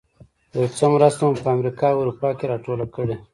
یو څه مرسته مو په امریکا او اروپا کې راټوله کړې.